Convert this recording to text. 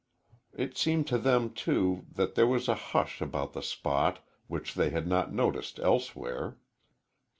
It seemed to them, too, that there was a hush about the spot which they had not noticed elsewhere.